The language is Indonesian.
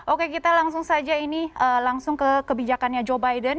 oke kita langsung saja ini langsung ke kebijakannya joe biden